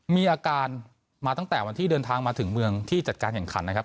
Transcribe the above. มีอาการมาตั้งแต่วันที่เดินทางมาถึงเมืองที่จัดการแข่งขันนะครับ